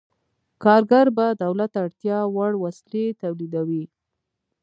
کارګر به دولت ته اړتیا وړ وسلې تولیدوي.